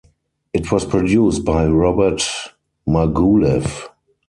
It was produced by Robert Margouleff.